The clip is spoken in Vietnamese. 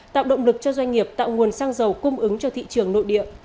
tạo động lực cho doanh nghiệp tạo nguồn sang giàu cung ứng cho thị trường nội địa